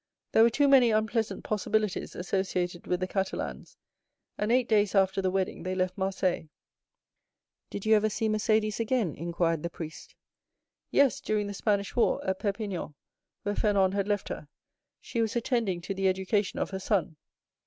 There were too many unpleasant possibilities associated with the Catalans, and eight days after the wedding they left Marseilles." "Did you ever see Mercédès again?" inquired the priest. "Yes, during the Spanish war, at Perpignan, where Fernand had left her; she was attending to the education of her son."